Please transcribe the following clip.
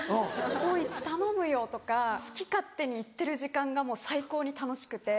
「コウイチ頼むよ！」とか好き勝手に言ってる時間が最高に楽しくて。